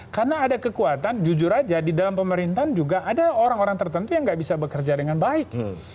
karena ada kekuatan jujur aja di dalam pemerintahan juga ada orang orang tertentu yang nggak bisa bekerja dengan baik